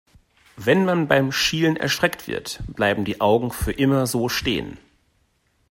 Wenn man beim Schielen erschreckt wird, bleiben die Augen für immer so stehen.